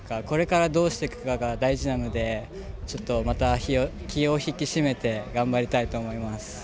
これからどうしていくかが大事なのでちょっと、また気を引き締めて頑張りたいと思います。